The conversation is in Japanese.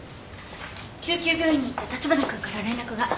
救急病院に行った立花君から連絡が。